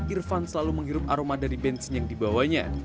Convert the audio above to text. irfan selalu menghirup aroma dari bensin yang dibawanya